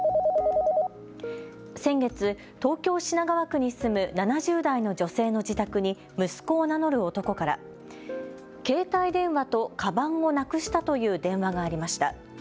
先月、東京・品川区に住む７０代の女性の自宅に息子を名乗る男から携帯電話とかばんをなくしたという電話がありました。